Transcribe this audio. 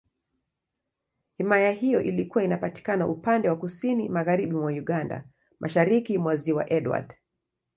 Himaya hiyo ilikuwa inapatikana upande wa Kusini Magharibi mwa Uganda, Mashariki mwa Ziwa Edward.